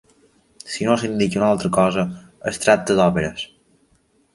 Si no s'indica una altra cosa, es tracta d'òperes.